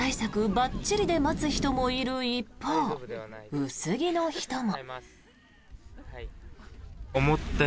ばっちりで待つ人もいる一方薄着の人も。